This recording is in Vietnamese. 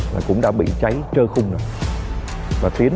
và các công viên